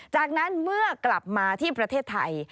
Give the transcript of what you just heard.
จากนั้นเมื่อกลับมาที่ประเทศไทย